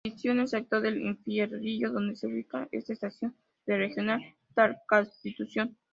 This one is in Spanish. Falleció en el sector de Infiernillo, donde se ubicaba una estación del Regional Talca-Constitución.